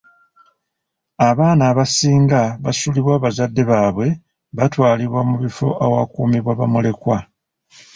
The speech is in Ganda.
Abaana abasinga basuulibwawo bazadde baabwe batwalibwa mu bifo ewakuumibwa bamulekwa.